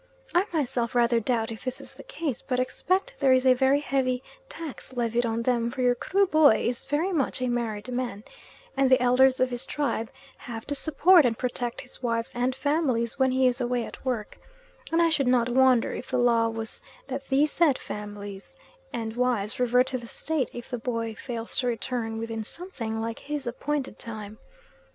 I myself rather doubt if this is the case, but expect there is a very heavy tax levied on them, for your Kruboy is very much a married man, and the Elders of his tribe have to support and protect his wives and families when he is away at work, and I should not wonder if the law was that these said wives and families "revert to the State" if the boy fails to return within something like his appointed time.